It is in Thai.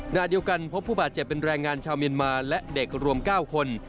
ขณะเดียวกันพบผู้บาดเจ็บเป็นแรงงานชาวเมียนมาและเด็กรวม๙คน